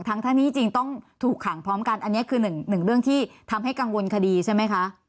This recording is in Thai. ทั้งนี้จริงต้องถูกขังพร้อมกันอันนี้คือหนึ่งเรื่องที่ทำให้กังวลคดีใช่ไหมคะ